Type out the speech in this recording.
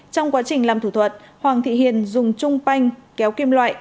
trong quá trình làm thủ thuật hoàng thị hiền dùng trung panh kéo kim loại